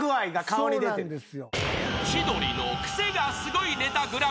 ［『千鳥のクセがスゴいネタＧＰ』］